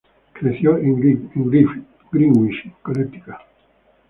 Creció en Greenwich, Connecticut.